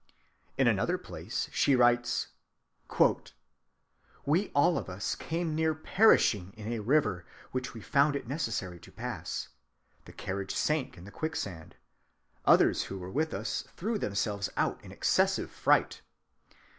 In another place she writes: "We all of us came near perishing in a river which we found it necessary to pass. The carriage sank in the quicksand. Others who were with us threw themselves out in excessive fright.